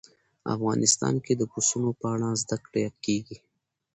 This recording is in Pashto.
افغانستان کې د پسونو په اړه زده کړه کېږي.